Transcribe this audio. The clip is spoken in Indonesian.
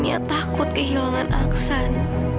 aku takut kehilangan aksan